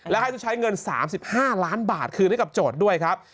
และให้จะใช้เงิน๓๕ล้านบาทคืนให้กับโจทย์ด้วยครับ